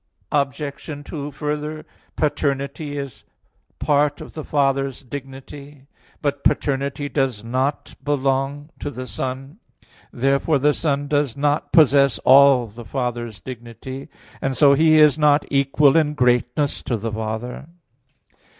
Obj. 2: Further, paternity is part of the Father's dignity. But paternity does not belong to the Son. Therefore the Son does not possess all the Father's dignity; and so He is not equal in greatness to the Father.